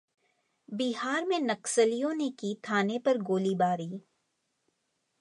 बिहार में नक्सलियों ने की थाने पर गोलीबारी